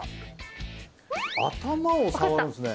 頭を触るんですね。